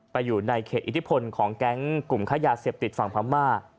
อยู่ในเขตอิทธิพลของแก๊งกลุ่มค้ายาเสพติดฝั่งพม่า